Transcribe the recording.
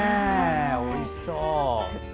おいしそう。